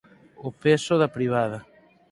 O peso da privada